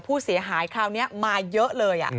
ผู้เสียหายคราวนี้มาเยอะเลย